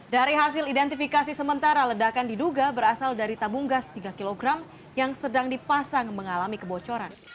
dari hasil identifikasi sementara ledakan diduga berasal dari tabung gas tiga kg yang sedang dipasang mengalami kebocoran